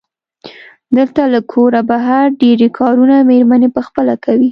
دلته له کوره بهر ډېری کارونه مېرمنې پخپله کوي.